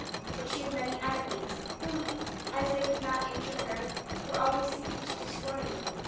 But she has many enemies, who, as they could not injure her, were always seeking to destroy me.